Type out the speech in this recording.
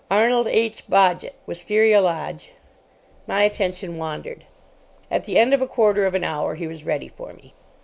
'Arnold H. Bodgett, Wistaria Lodge....'" My attention wandered. At the end of a quarter of an hour he was ready for me.